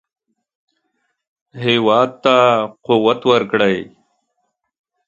هېواد ته قوت ورکړئ